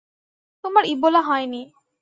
তোমার ইবোলা হয়নি।